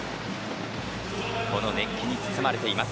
この熱気に包まれています。